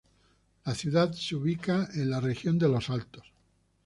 La ciudad se ubica en la Región de los Altos.